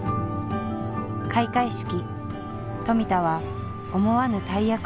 開会式富田は思わぬ大役を任された。